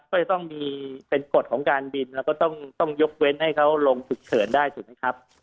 ก็จะต้องมีเป็นกฎของการบินแล้วก็ต้องยกเว้นให้เขาลงฉุกเฉินได้ถูกไหมครับ